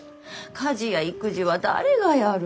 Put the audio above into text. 家事や育児は誰がやるの？